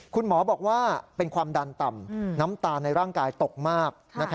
คุณหมอบอกว่าเป็นความดันต่ำน้ำตาลในร่างกายตกมาก